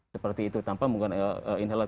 seperti itu tanpa menggunakan inhaled